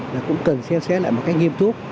là cũng cần xem xét lại một cách nghiêm túc